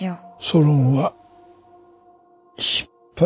ソロンは失敗です。